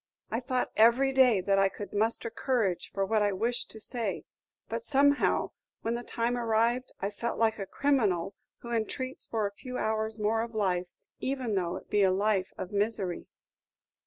I thought every day that I could muster courage for what I wish to say; but somehow, when the time arrived, I felt like a criminal who entreats for a few hours more of life, even though it be a life of misery."